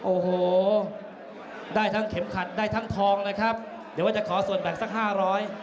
โอ้โหได้ทั้งเข็มขัดได้ทั้งทองนะครับเดี๋ยวว่าจะขอส่วนแบ่งสักห้าร้อย